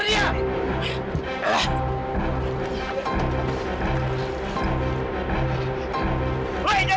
wadih berhenti loh